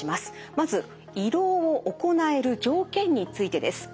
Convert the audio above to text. まず胃ろうを行える条件についてです。